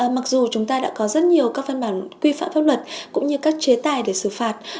mặc dù chúng ta đã có rất nhiều các văn bản quy phạm pháp luật cũng như các chế tài để xử phạt